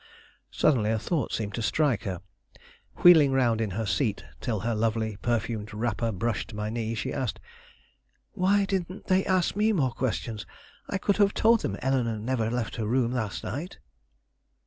Suddenly, a thought seemed to strike her. Wheeling round in her seat till her lovely, perfumed wrapper brushed my knee, she asked: "Why didn't they ask me more questions? I could have told them Eleanore never left her room last night."